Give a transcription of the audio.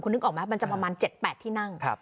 นึกออกไหมมันจะประมาณ๗๘ที่นั่ง